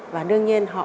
và đương nhiên họ